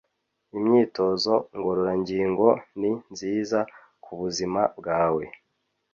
Imyitozo ngororangingo ni nziza kubuzima bwawe